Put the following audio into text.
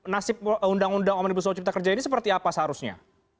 nasib undang undang omnibus law cipta kerja ini seperti apa seharusnya